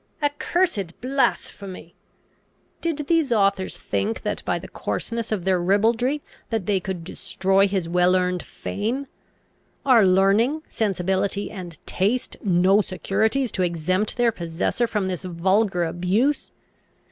"Accursed blasphemy! Did these authors think that, by the coarseness of their ribaldry, they could destroy his well earned fame? Are learning, sensibility, and taste, no securities to exempt their possessor from this vulgar abuse?